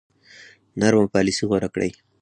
نرمه پالیسي غوره کړه.